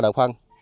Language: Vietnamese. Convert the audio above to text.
ba đợt phân